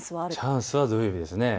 チャンスは土曜日です。